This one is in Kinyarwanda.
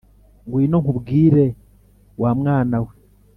ngwino nkubwire wa mwana we